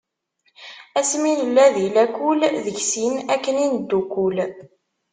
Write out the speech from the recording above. Asmi nella di lakul, deg sin akken i neddukul.